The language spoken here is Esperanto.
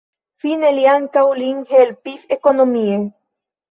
Fine li ankaŭ lin helpis ekonomie.